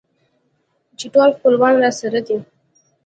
چې ټول خپلوان راسره دي.